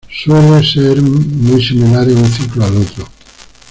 Suelen ser muy similares un ciclo al otro.